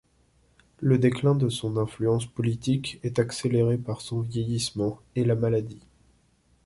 Le déclin de son influence politique est accéléré par son vieillissement et la maladie.